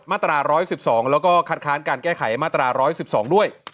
มาตรา๑๑๒แล้วก็คัดค้านการแก้ไขมาตรา๑๑๒ด้วย